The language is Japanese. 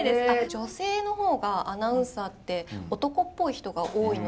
女性の方がアナウンサーって男っぽい人が多いので。